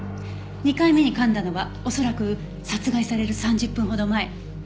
２回目に噛んだのは恐らく殺害される３０分ほど前。